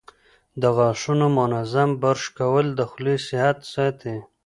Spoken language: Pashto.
د غاښونو منظم برش کول د خولې صحت ساتي.